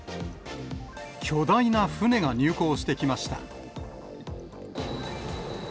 巨大な船が入港してきました。